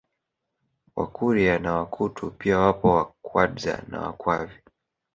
Wakuria na Wakutu pia wapo Wakwadza na Wakwavi